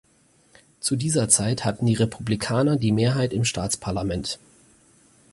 Zu dieser Zeit hatten die Republikaner die Mehrheit im Staatsparlament.